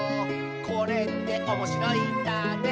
「これっておもしろいんだね」